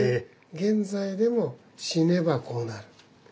現在でも死ねばこうなる。